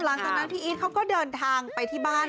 หลังจากนั้นพี่อีทเขาก็เดินทางไปที่บ้าน